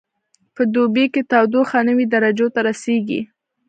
په دوبي کې تودوخه نوي درجو ته رسیږي